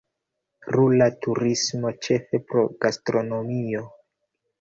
Rura turismo, ĉefe pro gastronomio.